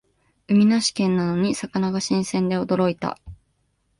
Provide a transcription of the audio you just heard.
海なし県なのに魚が新鮮で驚いた